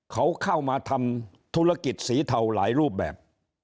เขาเข้ามาทำธุรกิจสีเทาหลายรูปแบบ